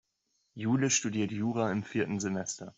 Jule studiert Jura im vierten Semester.